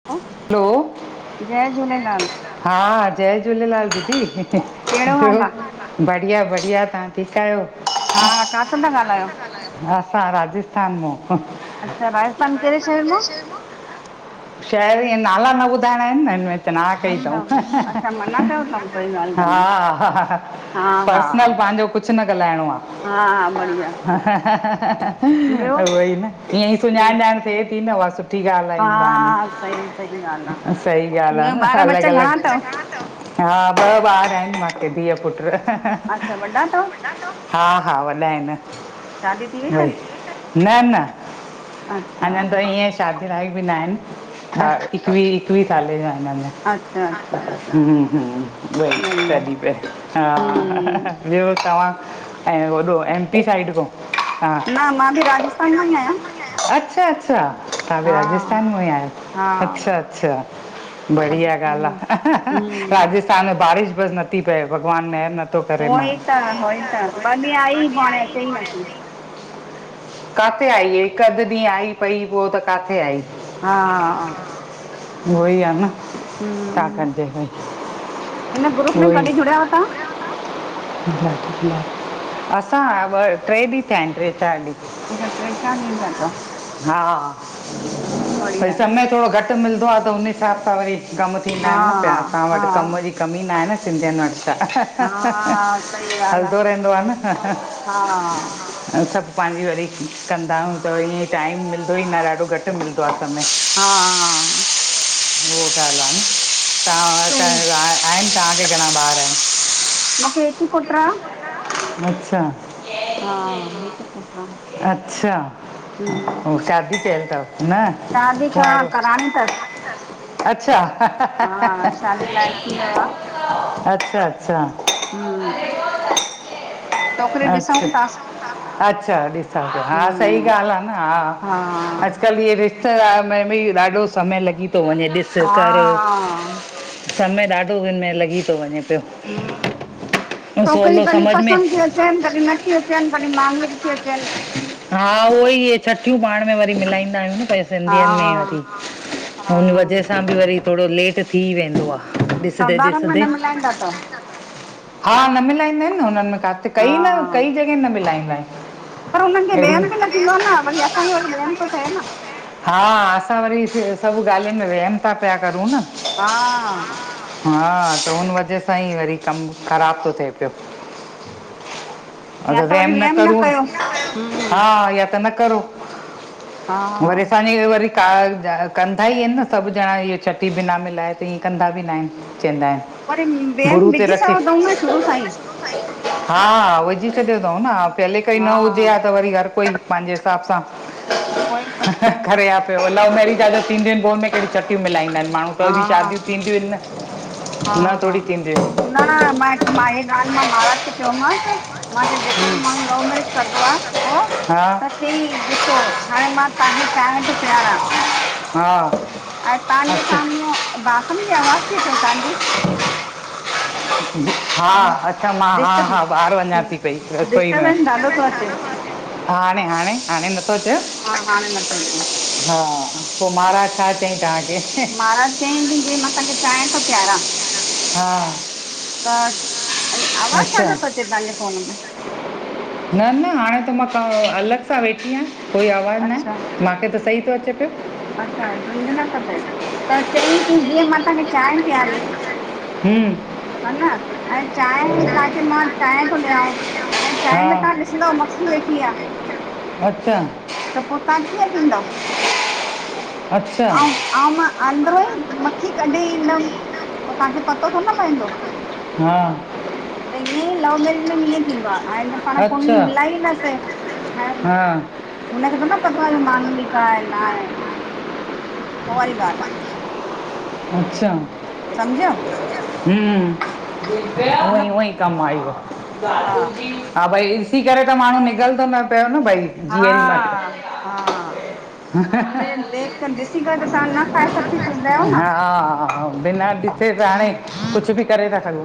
[inaudible] हलो जय झूलेलाल हा जय झूलेलाल दीदी कहिड़ो हाल ॿियो? आ? बढ़िया बढ़िया तहां ठीकु आहियो? हा काथो था हा ॻाल्हायो? किथां था असां राजस्थान मां। अच्छा राजस्थान कहिड़े शहर मां? शहर जा नाला न ॿुधाइणा आहिनि न हिन में। मना कई अच्छा अथऊं अच्छा मना कयो अथऊं कोई ॻाल्हि हा कान्हे हा हा हा पर्सनल पंहिंजो कुझु कुझु न ॻाल्हाइणो आ। हा हा बढ़िया त ॿियो उहो ई न ईअं ई हम्म, सुञाणाण थिए थी न उहा सुठी ॻाल्हि आहे बहाने। अ साई सही ॻाल्हि आहे न अलॻि बच्चा घणा अलॻि अथव? हा ॿ ॿार आहिन धीय पुट अच्छा वॾा अथव हा हा वॾा आहिनि शादी थी वई भई अथनि? न न अच्छा। अञा त ईअं शादी लाइ बि न आहिनि। अच्छा बार इवी इवी साल ज आहेन। अच्छा अच्छा अच्छा, ह ह वई बढ़िया सॾी प हा हम्म ॿियो तव्हां ऐं एम पी साइड खो न मां बि राजस्थान मां ई आहियां अच्छा तां बि हा राजस्थान मां ही आयो। हा अच्छा अच्छा बढिया राजस्थान गाल आ मां हम्म राज स्थान में बारिश बस न थी पए भॻवान महर होई त होई त ॿ ॾिय आई बाक़ी हाणे चई कोन न थी। अथई किथे आई हिकु अधु ॾींहुं आई पई पोइ त किथे आई? हा उई आहे न त छा हम्म कजेई। हिन ग्रुप में कॾहिं जुड़याव त हां? कॾहिं असां ॿ टे ॾींहं थिया आहिनि टे चारि ॾींहं अच्छा टे चारि ॾींहं थया तव। हा भई बढ़िया समय थोॾो घट मिलंदो आहे त हुनन हिसाब सां वरी कमु थींदा हा आहिनि न पिया तस्हां हा वटि कम जी कमी नहे न सिंधियुनि वटि त हा सही ॻाल्हि हलंदो रहंदो आहे हा न सभ पंहिंजी वरी कंदा आहियूं त ईअं टाइम मिलंदो ई न ॾाढो घटि मिलंदो आहे समय। हा हा उहो त हलन त त सही तव्हां आहिनि तव्हांखे घणा ॿार आहिनि? मूंखे हिकु ही पुट्र आ अच्छा हिकु पुटु आहे अच्छा हम्म ऐं शादी काल तव? न शादी ता कराणी थसि अछा शादी लाइ थी वियो अच्छा अच्छा हूँ छोकरी ॾिसूं अच्छा था अच्छा ॾिसओ पया हा सही हम्म ॻाल्हि आहे न हा अॼकल्ह इहे रिश्तेदार में बि ॾाढो समय लॻी थो वञे ॾिस हा कर समय ॾाढो हिनमे में लॻी थो वञे पियो हम ऐं छोकिरी सवलो कनहि समझ में पसंदि केर अचन कॾहिं नथी अचनि कॾहिं मांगलीक थीी अचनि हा उहो ई इहे छठियूं पाण में वरी मिलाईंदा आहियूं न पंहिंज हा सिंधियुनि में वरी हा हुन वजह सां बि वरी थोरो लेट थी वेंदो आहे डिसदे साधारण में ॾिसंदे न मिलाईंदा त हा न मिलाईंदा आहिनि न हुननि में काथे हा कई न कई जॻह न मिलाईंदा आहिनि पर हुननि खे अहिड़ी वेम बि न थींदो न वरी असांखे वरी वैम थो थिए न हा असां वरी सॿ ॻाल्हियुनि में वरी वहम था पिया करयूं न हा हा त हुन वजह सां ई वरी कमु ख़राब थो थिए हम्म, या अगर त वरी वहम न करूं कयो हम्म हा या त न करो हा वरी असांजी वरी त कार्ज आ कंदा ई आहिनि न सभु ॼणा इहे छटी बिना मिलाए त ईअं कंदा बि न आहिनि चवंदा आहिनि वरी वेियम गुरू ते विझी रखी सघंदऊ न शुरू साईं हा विझी छॾियो तऊ न पहल काई न हा हुजे आ त वरी हर कोई पंहिंजे हिसाब सां उहो ई त हं करेयां पियो लव मैेरीज आ त थींदियूं आहिनि पोइोन में कहिड़ियूं छटियूं मिलाईंदा आहिनि हा माण्हू ुतऊं जी शादीियूं थींदीयूंयन न न हा थोरी थींदी अहिन न मां हे मां हे ॻाल्हि मां महाराज खे चयोमांसि मां चयो जेको जो माण्हू लव मेरिज करदो आहे पोइ हा त चिई ॾिसो हाणे मां तव्हांखे चांय तो पियारा हा ऐं तव्हांजे अच्छा साम्हूं बासण जी आवाज़ थी अचऊ तव्हांजी जी। हा, अच्छा मां हा डिस्टर्ब हा ॿाहिरि वञा थी पई रसोई में डिस्टर्बेंस ॾाढो थो अचे हा हाणे हाणे हाणे न थो अचेव हा हाणे नथो अचे हा, पोइ महाराज छा चईं तव्हांखे? महाराज चईं कि जीअं मां तव्हांखे चायं तो पियारा हा त अे आवाज़ अच्छा छाजो तो अचे तव्हांजे फोन में? न न हाणे त मां काु अलॻि सां वेठी आहियां। कोई आवाज़ु न अच्छा आहे माखे त सही थो अचे पियो। अच्छा झुंझुन त थिए त चयईं की जीअं मां तव्हांखे चांहे पियारी हूं ह न, ऐं चांए तव्हांखे मां चांए थो ॾियांव हाण चाय हा में तां ॾिसंदाव मक्खी वेठी आह। अच्छा त पो तां कीअं पीदांव? अच्छा आऊं आऊं, मां अंदरा ई मक्खी कढी ईंदमि पो तांखे पतो थो न पवंदो। हा! त ईअं ई लव मेरिज में इअं थींदो आह, हे हिञे पाण कुंडली अच्छा मिलाई ईंदासीं हा यो हुनखे थो न पतो आह। मांगलिक आए ना आए उ वारी ॻाल्हि आ। अच्छा सम्झी वया। हम्म! ई मतिलबु उअं ई कमु आयो हा हा भई ॾिसी करे त माण्हू निगलु थो न पियो न भई जीअरी मां हा, हा चऐ देख कर ॾिसी करे त तां अना हा सभु पी श्रदा [unintelligible] हा, हा बिना ॾिसे त हाणे कुझु बि करे था सघूं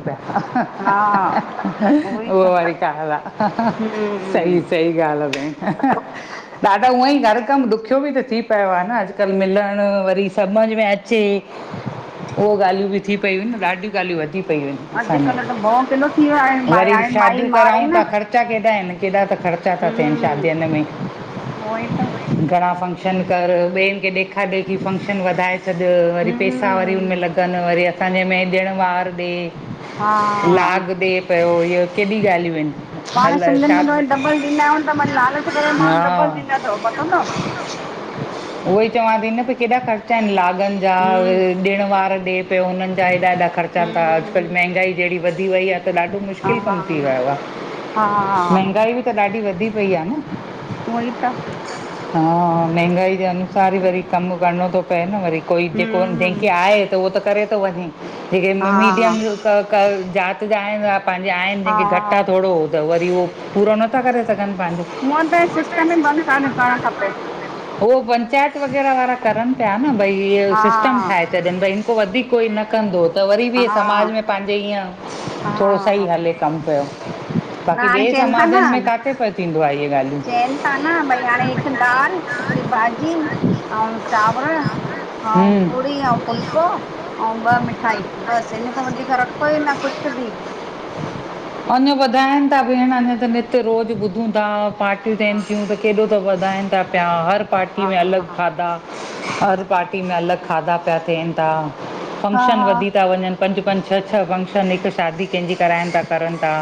हा पिया उहो ई त उह वारी गाल्हि आ सई हम्म चई। इ हाल भे [unintelligible] ॾाढा उ ईं घर कमु ॾुखियो बि त थी पियो आह न अॼुकल्ह मिलण वरी सम्झि में अच ठिकु उहो ॻाल्हियूं बि थी पयूं न ॾाढियूं ॻाल्हियूं वधी पयूं [unintelligible] अॼुकल्ह त भओ किलो थी वियो आहे हा भाई वरी हाणे माई शादिंयू मार आहे करायूं त न था ख़र्च ख़र्चा केॾा आहिनि केॾा त ख़र्चा था थियनि हम्म शादियूंनि उहोई त में। घणा फंक्शन कर, ॿियनि खे ॾेखार ॾेखी फंक्शन वधाए छॾु वरी पैसा असां वरी हम्म हुनमें लॻनि वरी असां जंहिंमें ॾिणु वार ॾिे हा लाग ॾे कयो हीअ केॾी ॻाल्हियूं आहिनि? पाण हल सिंधियुनि छा में थो डबल ॾींदा आहियूं। त भ लालच करे माण्हू हा डबल ॾींदा थव पतो तव। उहो ई चवां थी न भई केॾा ख़र्चा आहिनि। लागनि जा हम्म ॾिणु वार ॾे पियो उन्हनि जा हेॾा हेॾा खर्चनि था। अॼुकल्ह हम्म मंहगाई जहिड़ी वधी वई आह त ॾाढो मुश्किलु कमु थी हा वियो आह। हा मंहगाई बि त ॾाढी वधी पई आह न। उहोई त हा! महंगाई जे अनुसार ई वरी कमु करणो थो पए न वरी। कोई जेको हम्म जंहिंखे आह त उहो त करे तो वंञे। जेके हा मीडियम क क ज़ात जा आहिनि पंहिंजे आहिनि जंहिंखे घटि आह हा थोङो त वरी उहो पूरो नथा करे सघिनि पांजो हुअं त सिस्टम ई बंदि कनि करणु खपे। हो पंचायत वग़ैरह वारा करनि पिया न बई। हिअ हा सिस्टम ठाहे छॾनि भई हिन वधीक कोई न कंदो त वरी हा बि समाज में हा पाहिंजे ईअं थोङो सही हा हले कमु पियो न बाक़ी हाणे ॿिए चइनि समाजनि में काथे प थींदो आहे इहे ॻाल्हियूं चनि था न भई हाणे हिकु दाल, हिकिड़ी भाॼी अऊं चांवर हा हम्म पूङी ऐं फुलको अऊं ॿ मिठाई बसि इन खां वधीक रखो ई न कुझु बि। अञा वधाइनि था भेण, अञा त नित्य रोज़ु ॿुधूं था पार्टीूं हा थियनि थियूं त केॾो अॻि त वधाइनि था पिया हर पाटी हा में अलॻि हा खाधा हर पार्टी में अलॻि खाधा पिया थियनि था। हा फंक्शन वधी हा था वंञनि पंज पंज, छह छह फंक्शन हिकु शादी कंहिंजी कराइनि था। करन था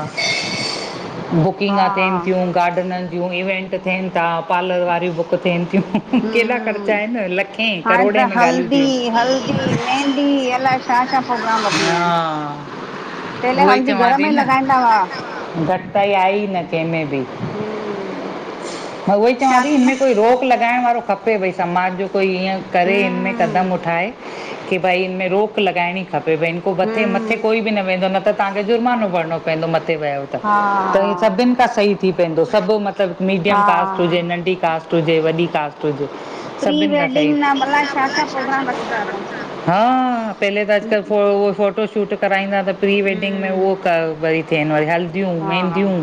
हा बुकिंगा थियन हा थियूं गारडननि जूं इवेंट बुक थियनि था पार्लर वारीयूं बुक थियनि थियूं केहिॾा ख़र्चा हम्म आहिनि लखेें हाणे त हल्दी, हल्दी मेहदी अलाए छा छा प्रोग्राम वधी विया हा आहिनि पहले उहो ई हल्दी चवां घर थी में न लॻाईंदा हुआ घटिताई आई न कंहिंमें बि हूं मां उहोई चवां थी हिनमें कोई रोक लॻाइण वारो खपे भई समाज जो कोई ईंअं करे हिनमें हम्म कदम उठाए की भई हिनमें रोक लॻाइणी खपे बैं पो मथे मथे हम्म कोई बि न वेंदो न त तव्हांखे जुर्मानो भरिणो पइंदो मथे वयो त हा इ सभिनि खां सही थी पइंदो सभु मतलबु मीडियम हा कास्ट हुजे नंढी कास्ट हुजे, वॾी कास्ट हुजे प्री सभिनि खां सही वेडिंग न अलाए छा छा प्रोग्राम रखी सघंदा अथऊं हा, पहले त अजकल्ह फो उह फो फोटो शूट कराईंदा त प्री वेडिंग में उहो कर वरी थियनि वरी हल्दियूं मेंहंदियूं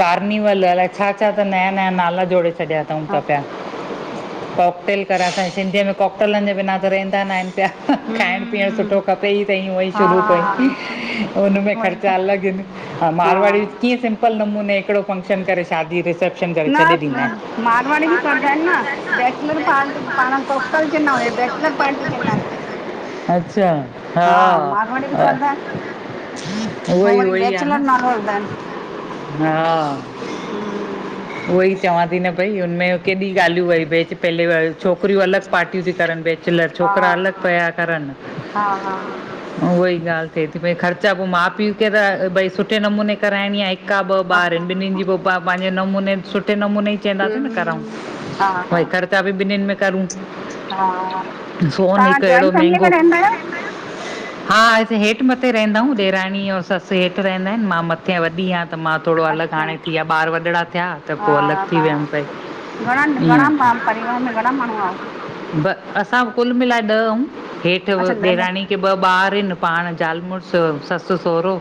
कार्निवल, अलाए छा छा त नया नयां नाला जोड़े छॾिया अथऊं त पिया कॉकटेल कर असांजे सिंधीअ में कॉकटलनि जे बिना त रहंदा न आहिनि पिया, खाइण पीअणु सुठो खपे ई संई हुअं ई शुरू खों हाँ ई हुन में वही त ता लॻनि, हा मारवाड़ी हाँ किंअ सिंम्प्ल नमूने हिकड़ो फंक्शन करे शादीअ ते सभु न म मारवाड़ी बि कंदा आहिनि न बैेचलर पार्टी पाण कोकटल चंइंदाऊँ हे बैचलर पार्टी चइंदा आहिनि अच्छा हा मारवाड़ी बि कंदा आहिनि हो उहोई, वरी उहोई आहे बैचलर न नालो रखंदा आहिनि हा हम्म उहोई चवां थी न भई हुनमें केॾी ॻाल्हियूं वई बेच पहले छोकिरियूं अलॻि पार्टियूं थी करनि बेच चिलर छोकिरा अलॻि हा पिया करनि हा उहई ॻाल्हि थिए थी भई ख़र्चा पो माउ पीउ खे त भई सुठे नमूने कराइणी आहे का ॿ हा ॿार आहिनि ॿिन्हिनि जी पो पंहिंजे नमूने सुठे नमूने ही चइंदासीं न कराऊँ हम्म हा भई ख़र्चा बि ॿिन्हिनि में करूं हा सोन तव्हां हिकु अहिड़ो जॉइंट फैमिली मेंहगो में रहंदा आहियो हा हिते हेठि मथे रहंदाऊँ, ॾेराणी और ससु हेठि रहंदा आहिनि मां मथे वॾी आं त मां थोड़ो अलॻि अच्छा हाणे थी विया ॿार वॾिड़ा थिया त पो अलॻि थी वियमि पई घणन, ईअं घणान परिवार में घणान माण्हू हाओ? ब असां कुल मिलाए ॾह हूं हेठि अच्छा ॾह ॼणा ॾेराणी खे ॿ ॿार आहिनि पाण जाल मुड़स ससु सहुरो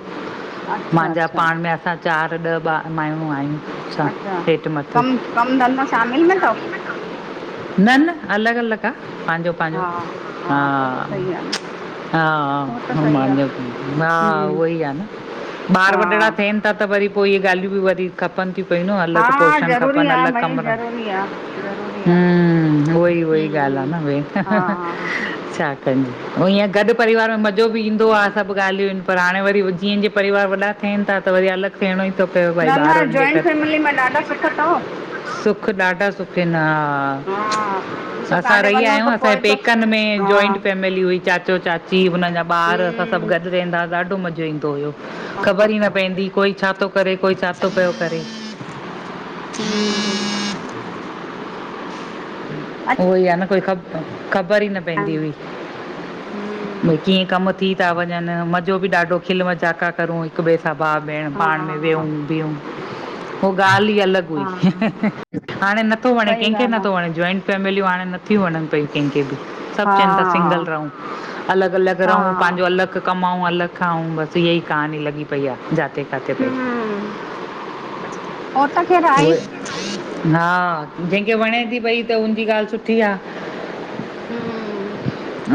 अच्छा मांजा अच्छा पाण में असां चारि ॾह ॿा माण्हूं आहियूं असां अच्छा हेठि मथे कम, कम धंधो शामिल में तव? न, न अलॻि अलॻि आ पंहिंजो पहिंजो, हा हा, पोइ त सही आहे न हा पोइ त सही आहे हम्म उहोई आ न ॿार हा वॾड़ा थियनि था त वरी पो इहे ॻाल्हियूं बि वरी खपनि थियूं पयूं न हा अलॻि पोरशन ज़रूरी खपनि आहे अलॻि भई कमिरा ज़रूरी आहे ज़रूरी हूं आहे उहोई उहो ई हम्म ॻाल्हि आ हम्म न भेण हा हा हा। छा कयूं अऊँ हीअं गॾु परिवार में मज़ो बि ईंदो आ सभु ॻाल्हियूं ईनि पर हाणे वरी जीअं जें परिवार वॾा थियनि था त वरी अलॻि थियणो ई थो पए भई न न ॿारन जे क जॉइंट फैमिली में ॾाढा सुख अथव सुख ॾाढा सुखिन हा ॾिसो काॾे असां रही आया वञो आहियूं त असांजे पोइ त पेकनि में हा जॉइंट फैमिली हुई चाचो-चाची हुनजा ॿार असां सभु हम्म गॾु रहंदा ॾाढो मज़ो ईंदो हुयो खबर ई न पैंदी कोई छा तो करे कोई छा तो प्यो करे उम्म हुम्म अच्छा उवोई आ न कोई खब ब ख़बर ई न पैंदी हुई हम्म भई कींय कमु थी था वञयंन मज़ो बि ॾाढ़ो खिल मज़ाक करूं हिक ॿिए सां सभ भाउ भेण हा पाण में हा वेहुं बीहु उ ॻाल्ह ई अलॻ हुई हा हाणे नथो वणे सही कंहेखे ॻाल्हि आहे नथो वणे जॉइंट फैमिलयूं हाणे नथयूं वणन पेकेन खे ॿुधायो सभ हा चवन तां सिंगल रहुं अलग अलग रहुं हा पांजो अलग कमाऊं अलग खाऊं बस इअं ई कहानी लॻी पई आ जा हम्म हो त खेर आई उहे हा जेंहखे वणे थी पई त उनजी ॻाल्ह सुठी आ उम्म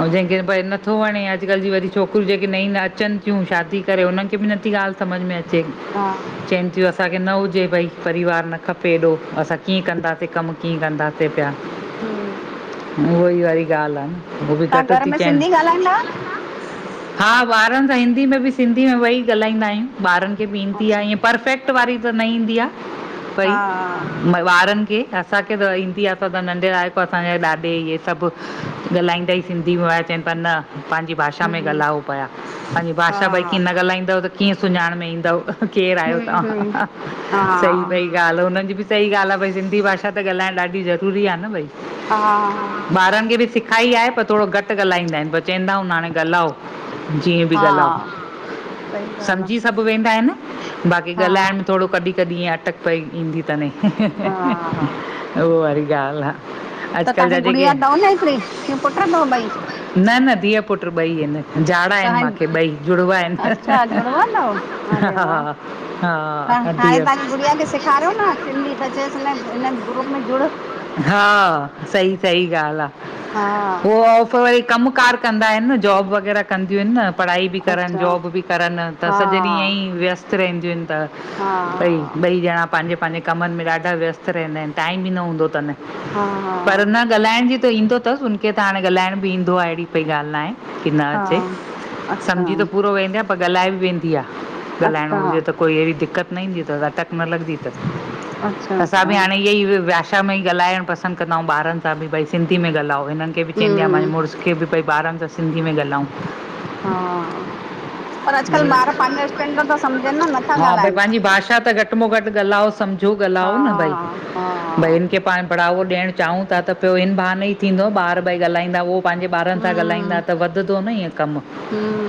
ऐं जेंहखे भई नथो वणे अॼुकल जी वरी छोक्रियु जेके नईं न अचन थियूं शादी करे उनन खे बी नथी ॻाल्ह समझ में अचे हा चैएन थियूं असांखे न हुजे भई परिवार न ख़पे एॾो असां कींय कन्दासे कमु कींय कन्दासे प्या हुम्म उवई वारी ॻाल्ह आ न उओ बि तव्हां घट घर ती में चैएंन सिंधी ॻाल्हाईंदा आहियो? हा ॿारअन सां हिंदी में बी सिंधी में वेई ॻाल्हाईंदा आह्युं ॿारअन खे बी ईंदी आ अच्छा इंय परफेक्ट पटवारी त न ईंदी आ हा भई ॿारअन खे असांखे त ईंदी आ असां त नंढ़ाणांप ॾाॾे इंये सभ। ॻाल्हाईंदा ई सिन्धी में चयंन प्या न पांजी भाषा में हम्म ॻाल्हो पया पेंहजी हा भाषा भई कीयं न ॻाल्हाईंदव त कीयं सुञांण में इन्दव केर आयो हम्म हम्म तव हा सही पई ॻाल्ह उनन जी बि सही ॻाल्ह आ भई सिंधी भाषा त ॻाल्हाण ॾाढ़ी ज़रूरी आ न भई आ आ ॿारअन खे बि सिखाईं आहे पर थोड़ो घट घट ॻाल्हींदा चैंयदायुं हाणे ॻाल्हो जींय बी ॻाल्हो हा सही ॻाल्हि समझी सभु वेंदा आहिन बाकी आ, ॻाल्हाण में थोड़ो कॾी कॾी ईयं अटक पई ईंदीतन हा हा उव वारी ॻाल्ह आ त तहांखे गुड़िया तव न हिकड़ी कि पुट्र तव ॿई न न धीअ पुट्र ॿई हिंन जाड़ा आहिन तव्हां मांखे ॿई जुड़वा आहिन अच्छा जुड़वा अथव? हा अरे हा वाह हा अदी सिन्धी संस्था समाज हिंन ग्रुप में जुड़ो हा सही सहीं ॻाल्ह हा आ पो वरी कमकार कंदा आहिंन जॉब वग़ैरह कंदयुइंन न पढ़ाई बि करन अच्छा जॉब बि करन त हा सॼो ॾींहु इंयई व्यस्त रहंदियु हा त ॿई ॿई ॼणा पांजे पांजे कमन में ॾाढ़ा व्यस्त रहंदा आहिंन टाइम ई न हुंदो तन हां हा ॻाल्हण भी त इंदो तस उनखे हाणे ॻाल्हण बी इंदो आ एहड़ी कोई ॻाल्ह न आहें किॾा हा अचे अच्छा, समझी त पूरो वेन्दम प ॻाल्हाए बि वेंदी आ ॻाल्हणो अच्छा, हुजे त कोई एहड़ी दिक़्कत न इंदी तस अटक मतलब कि न लॻंदी तस अच्छा, असां बि अच्छा, हाणे इअं ई भाषा में ई ॻाल्हाण पसंद कंदा आह्युं ॿारअन सां बि भई सिंधी में ॻाल्हओ उनन खे बि चैंयदी आ मां हम्म, मुरस खे बि भई ॿारअन सां सिन्धी में ॻाल्हुं हां था सम्झनि न नथा हा भई ॻाल्हाइनि, पंहिंजी भाषा त घटि में घटि गॻलाओ सम्झिो। जो हा, ॻाल्हायो न भई। भई हा, हिन खे पाण बढ़ावो ॾियणु चाहिूं था त पियो हिन बहाने ई थींदो ॿार भई ॻालाईंदा उहो‌। पंहिंजे ॿारनि सां ॻाल्हाईंदा त वधंदो न ईअं कम। हम